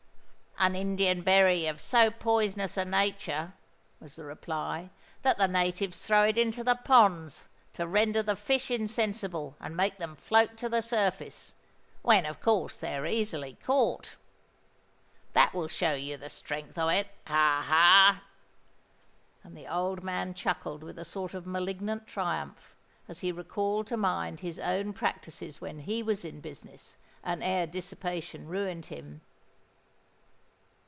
"An Indian berry of so poisonous a nature," was the reply, "that the natives throw it into the ponds to render the fish insensible and make them float on the surface, when of course they are easily caught. That will show you the strength of it—ha! ha!" And the old man chuckled with a sort of malignant triumph, as he recalled to mind his own practices when he was in business, and ere dissipation ruined him.